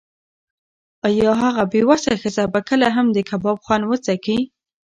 ایا هغه بې وسه ښځه به کله هم د کباب خوند وڅکي؟